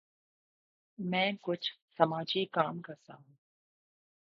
میں کچھ سماجی کام کرتا ہوں۔